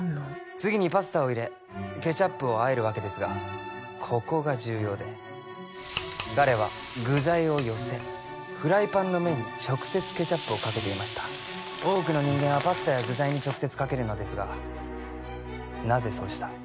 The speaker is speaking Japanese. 次にパスタを入れケチャップをあえるわけですがここが重要で彼は具材を寄せフライパンの面に直接ケチャップをかけていました多くの人間はパスタや具材に直接かけるのですがなぜそうした？